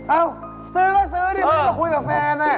เอ้าซื้อก็ซื้อดิเพราะมันก็คุยกับแฟนน่ะ